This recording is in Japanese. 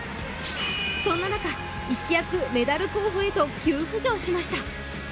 そんな中、一躍メダル候補へと急浮上しました。